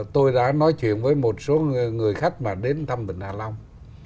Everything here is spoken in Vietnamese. tôi đã nói chuyện với một số người khách mà đến thăm bình hà long